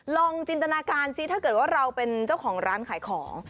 จินตนาการซิถ้าเกิดว่าเราเป็นเจ้าของร้านขายของ